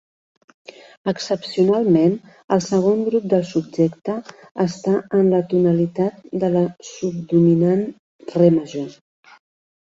Excepcionalment, el segon grup del subjecte està en la tonalitat de la subdominant, re major.